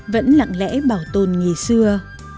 vẫn lặng lẽ bảo tồn ngày xưa